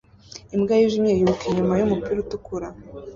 Imbwa yijimye yiruka inyuma yumupira utukura